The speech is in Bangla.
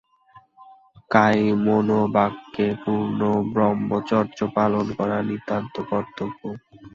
কায়মনোবাক্যে পূর্ণ ব্রহ্মচর্য পালন করা নিত্যন্ত কর্তব্য।